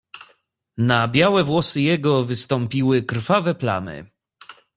"Na białe włosy jego wystąpiły krwawe plamy."